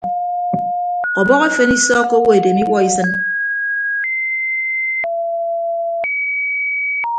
Ọbọhọ efen isọọkkọ owo edem iwuọ isịn.